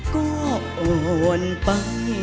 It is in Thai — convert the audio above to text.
ก็โอนไป